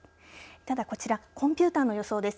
ただ、こちらコンピューターの予想です。